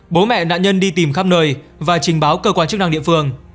bố mẹ nạn nhân đi tìm khắp nơi và trình báo cơ quan chức năng địa phương